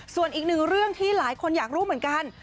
ส่วนอีกหนึ่งเรื่องที่หลายคนอยากรู้เหมือนกัน